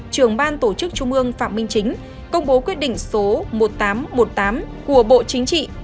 trưởng ban tổ chức trung ương phạm minh chính công bố quyết định số một nghìn tám trăm một mươi tám của bộ chính trị